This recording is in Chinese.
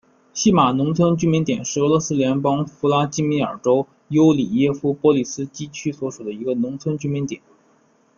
锡马农村居民点是俄罗斯联邦弗拉基米尔州尤里耶夫波利斯基区所属的一个农村居民点。